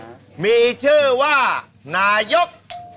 มีชื่อว่านายก